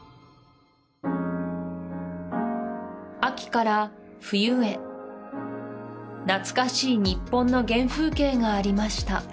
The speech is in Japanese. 秋から冬へ懐かしい日本の原風景がありました